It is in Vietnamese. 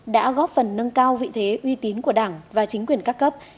đã góp phần nâng cao vị thế uy tín của đảng và chính quyền các cấp